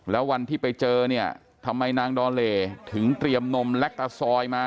แล้ววันที่ไปเจอเนี่ยทำไมนางดอเลถึงเตรียมนมแล็กตาซอยมา